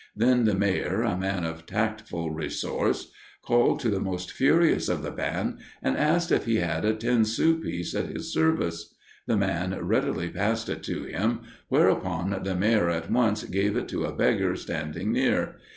Then the mayor, a man of tactful resource, called to the most furious of the band and asked if he had a ten sou piece at his service. The man readily passed it to him, whereupon the mayor at once gave it to a beggar standing near.